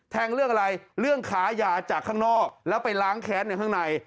เรื่องอะไรเรื่องขายาจากข้างนอกแล้วไปล้างแค้นในข้างใน